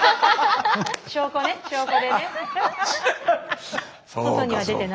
証拠ね証拠でね。